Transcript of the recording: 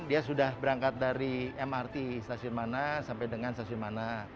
dia sudah berangkat dari mrt stasiun mana sampai dengan stasiun mana